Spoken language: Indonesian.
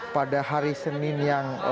pada hari senin yang